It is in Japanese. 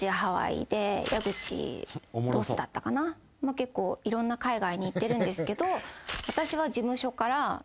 結構いろんな海外に行ってるんですけど私は。